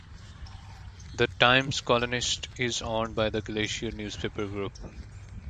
The "Times Colonist" is owned by the Glacier Newspaper Group.